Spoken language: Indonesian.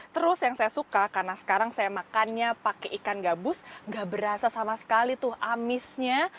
terus yang saya suka karena sekarang saya makannya pakai ikan gabus gak berasa sama sekali tuh amisnya